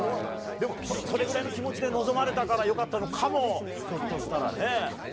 でも、それぐらいの気持ちで臨まれたから良かったのかもひょっとしたらね。